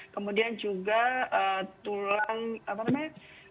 kemudian juga tulang apa namanya